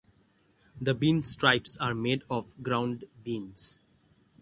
The bean stripes are made of ground beans.